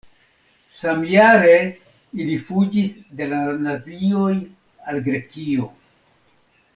Samjare ili fuĝis de la nazioj al Grekio.